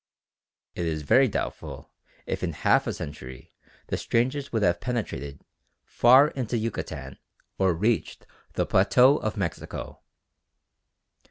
It is very doubtful if in half a century the strangers would have penetrated far into Yucatan or reached the plateau of Mexico.